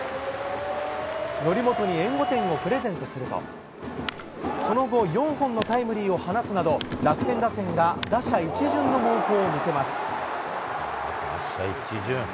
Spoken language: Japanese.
則本に援護点をプレゼントすると、その後、４本のタイムリーを放つなど、楽天打線が打者一巡の猛攻を見せます。